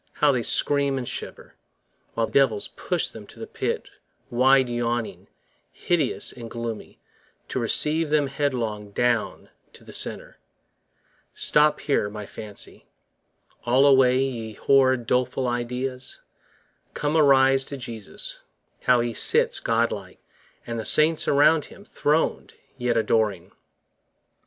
how they scream and shiver, 25 While devils push them to the pit wide yawning Hideous and gloomy, to receive them headlong Down to the centre! Stop here, my fancy: (all away, ye horrid Doleful ideas!) come, arise to Jesus, 30 How He sits God like! and the saints around Him Throned, yet adoring!